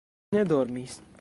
ne dormis.